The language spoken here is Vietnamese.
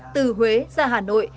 từ huế ra hà nội